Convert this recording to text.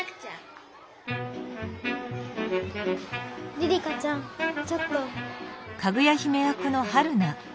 梨々花ちゃんちょっと。